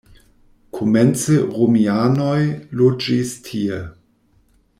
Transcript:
Komence romianoj loĝis tie.